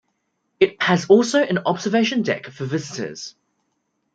It has also an observation deck for visitors.